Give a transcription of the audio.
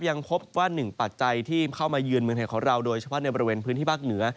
ยังพบว่าหนึ่งปัจจัยที่เข้ามาเยือนเมืองไทยของเราโดยเฉพาะในบริเวณพื้นที่ภาคเหนือ